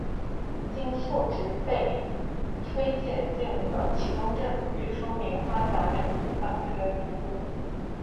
经父执辈推介进了启东镇的裕丰棉花杂粮铺当学徒工。